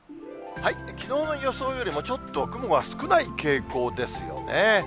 きのうの予想よりも、ちょっと雲が少ない傾向ですよね。